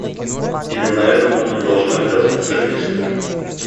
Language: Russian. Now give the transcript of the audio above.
Именно этому мы и должны оказывать содействие.